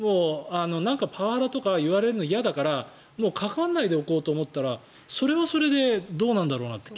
パワハラとか言われるの嫌だからもう関わらないでおこうと思ったらそれはそれでどうなんだろうなって